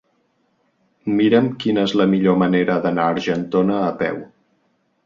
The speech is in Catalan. Mira'm quina és la millor manera d'anar a Argentona a peu.